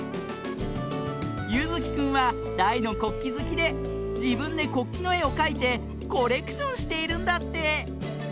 ゆずきくんはだいのこっきずきでじぶんでこっきの「え」をかいてコレクションしているんだって。